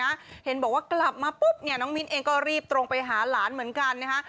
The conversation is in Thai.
เห็นบอกว่ากลับมาปุ๊บเนี่ยน้องมิ้นเองก็รีบตรงไปหาหลานเหมือนกันนะฮะ